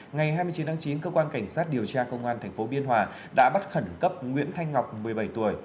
ngày hai mươi chín tháng chín cơ quan cảnh sát điều tra công an tp biên hòa đã bắt khẩn cấp nguyễn thanh ngọc một mươi bảy tuổi